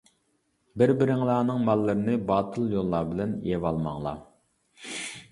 بىر-بىرىڭلارنىڭ ماللىرىنى باتىل يوللار بىلەن يەۋالماڭلار.